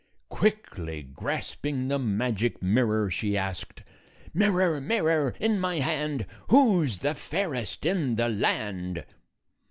Quickly grasping the magic mirror, she asked, " Mirror, mirror, in my hand, Who 's the fairest in the land?"